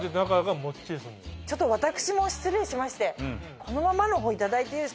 ちょっと私も失礼しましてこのままの方いただいていいですか。